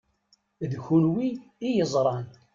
D kunwi i yeẓṛan.